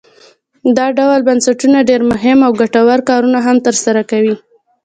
دا ډول بنسټونه ډیر مهم او ګټور کارونه هم تر سره کوي.